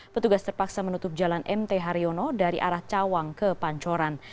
petugas terpaksa menutup jalan mt haryono dari arah cawang ke pancoran